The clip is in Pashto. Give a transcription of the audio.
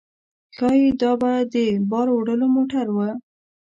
ښايي دا به د بار وړلو موټر و.